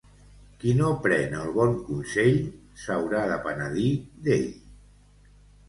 Qui no pren el bon consell s'haurà de penedir d'ell.